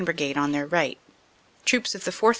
Brigade on their right. Troops of the 4th.